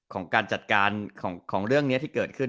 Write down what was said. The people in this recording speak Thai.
ของการจัดการเรื่องที่เกิดขึ้น